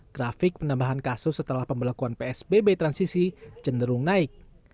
grafik penambahan kasus setelah pembelakuan psbb transisi cenderung naik